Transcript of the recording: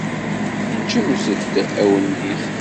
Ǧǧemt-d awennit.